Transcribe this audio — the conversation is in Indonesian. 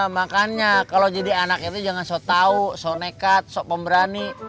makanya kalau jadi anak itu jangan so tau so nekat sok pemberani